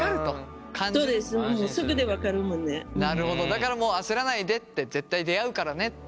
だからもう焦らないでって絶対出会うからねって。